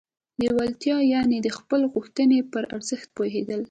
لېوالتیا يانې د خپلې غوښتنې پر ارزښت پوهېدل.